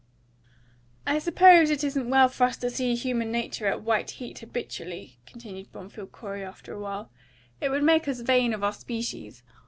"I suppose it isn't well for us to see human nature at white heat habitually," continued Bromfield Corey, after a while. "It would make us vain of our species.